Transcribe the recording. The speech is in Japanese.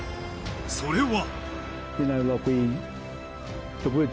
それは。